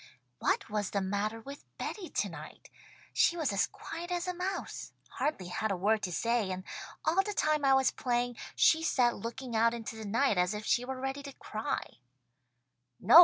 "What was the matter with Betty tonight? She was as quiet as a mouse. Hardly had a word to say, and all the time I was playing, she sat looking out into the night as if she were ready to cry."